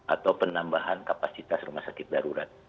atau penambahan kapasitas rumah sakit darurat